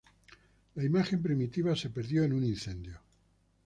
La imagen primitiva se perdió en un incendio.